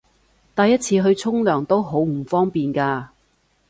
帶一次去沖涼都好唔方便㗎